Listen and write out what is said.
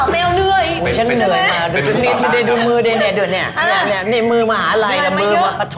ไม่เอา